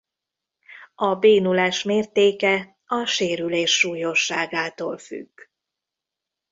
A bénulás mértéke a sérülés súlyosságától függ.